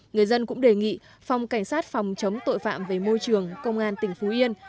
người dân cũng đề nghị phòng cảnh sát phòng chống tội phạm về môi trường công an tỉnh phú yên